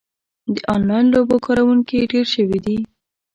د انلاین لوبو کاروونکي ډېر شوي دي.